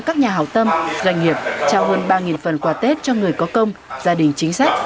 các nhà hào tâm doanh nghiệp trao hơn ba phần quà tết cho người có công gia đình chính sách